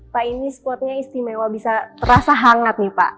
pak ini spotnya istimewa bisa terasa hangat nih pak